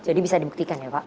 jadi bisa dibuktikan ya pak